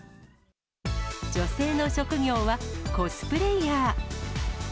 女性の職業はコスプレイヤー。